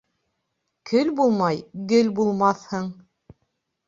Көл булмай гөл булмаҫһың.